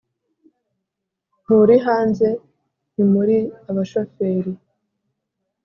nturi hanze ntimuri abashoferi